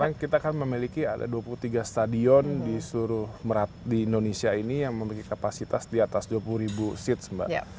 jadi kita memiliki ada dua puluh tiga stadion di seluruh merat di indonesia ini yang memiliki kapasitas di atas dua puluh ribu seat mbak